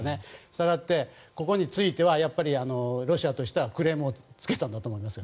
したがって、ここについてはロシアとしてはクレームをつけたんだと思います。